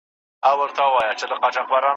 زه مرکز د دایرې یم هم اجزاء هم کل عیان یم